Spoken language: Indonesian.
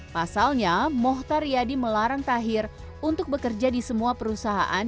pasalnya mohtar yadi melarang tahir untuk bekerja di semua perusahaan